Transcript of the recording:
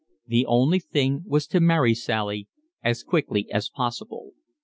The only thing was to marry Sally as quickly as possible.